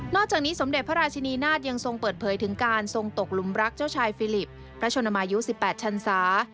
อกจากนี้สมเด็จพระราชินีนาฏยังทรงเปิดเผยถึงการทรงตกหลุมรักเจ้าชายฟิลิปพระชนมายุ๑๘ชันศา